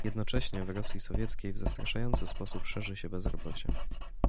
"Jednocześnie w Rosji Sowieckiej w zastraszający sposób szerzy się bezrobocie."